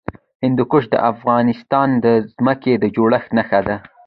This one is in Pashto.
هندوکش د افغانستان د ځمکې د جوړښت نښه ده.